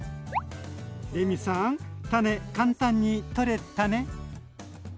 レミさん種簡単に取れタネ。